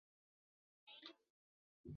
其主要用户为北京地铁。